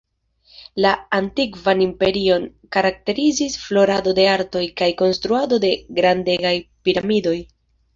La Antikvan Imperion karakterizis florado de artoj kaj konstruado de grandegaj piramidoj.